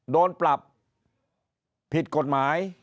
โดนปรับผิดกฎหมาย